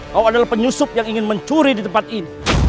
kau adalah penyusup yang ingin mencuri di tempat ini